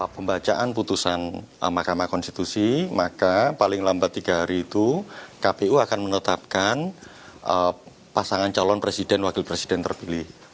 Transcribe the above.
pembacaan putusan mahkamah konstitusi maka paling lambat tiga hari itu kpu akan menetapkan pasangan calon presiden wakil presiden terpilih